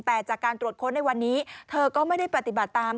แต่จากการตรวจค้นในวันนี้เธอก็ไม่ได้ปฏิบัติตาม